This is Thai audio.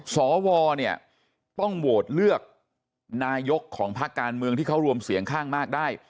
สวเนี่ยต้องโหวตเลือกนายกของภาคการเมืองที่เขารวมเสียงข้างมากได้